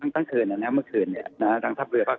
ทั้งเมื่อคืนทั้งทัพเรือภาค๓